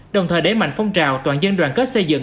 đồng thời đẩy mạnh phong trào toàn dân đoàn kết xây dựng